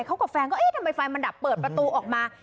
เขาก็ทำไมไฟมันดับเปิดประตูออกมา